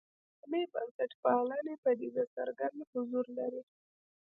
اسلامي بنسټپالنې پدیده څرګند حضور لري.